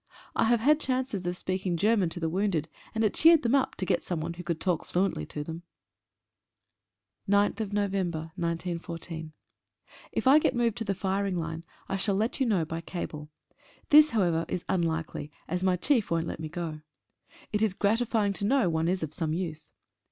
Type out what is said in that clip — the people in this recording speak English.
I have had chances of speaking Ger man to the wounded, and it cheered them up, to get someone who could talk fluently to them. ♦ B 9/11/14. 3F I get moved to the firing line I shall let you know by cable. This, however, is unlikely, as my chief won't let me go. It is gratifying to know one is of some use.